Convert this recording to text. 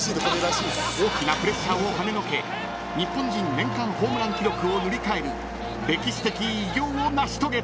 ［大きなプレッシャーをはねのけ日本人年間ホームラン記録を塗り替える歴史的偉業を成し遂げた］